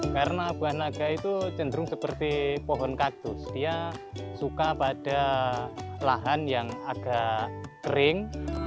karena bahan laga itu cenderung seperti pohon kaktus dia suka pada lahan yang agak kering